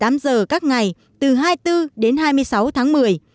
đến một mươi tám giờ các ngày từ hai mươi bốn đến hai mươi sáu tháng một mươi